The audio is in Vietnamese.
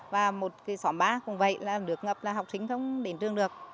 và một cái xóm ba cũng vậy là nước ngập là học trình không đến trường được